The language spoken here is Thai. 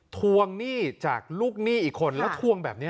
ทวงหนี้จากลูกหนี้อีกคนแล้วทวงแบบนี้